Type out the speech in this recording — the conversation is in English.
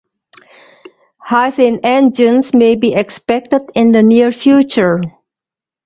Hythane engines may be expected in the near future.